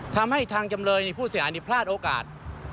ทำให้ทางจำเลยผู้เสียหายพลาดโอกาส